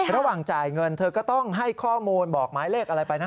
ระหว่างจ่ายเงินเธอก็ต้องให้ข้อมูลบอกหมายเลขอะไรไปนะ